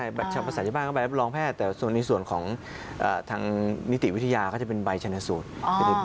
ก็เขาเรียกใบรับรองแพทย์หรือเขาเรียกใบชนสูตรทนายเจมส์